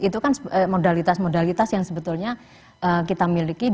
itu kan modalitas modalitas yang sebetulnya kita miliki